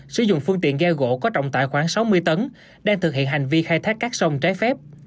sử dụng phương tiện ghe gỗ có trọng tải khoảng sáu mươi tấn đang thực hiện hành vi khai thác các sông trái phép